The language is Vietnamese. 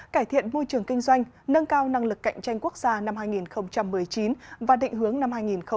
cải thiện môi trường kinh doanh nâng cao năng lực cạnh tranh quốc gia năm hai nghìn một mươi chín và định hướng năm hai nghìn hai mươi